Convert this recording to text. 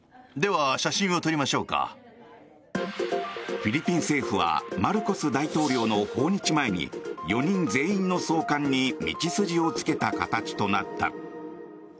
フィリピン政府はマルコス大統領の訪日前に４人全員の送還に道筋をつけた形となった。